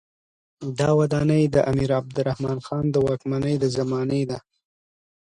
دا ودانۍ د امیر عبدالرحمن خان د واکمنۍ د زمانې ده.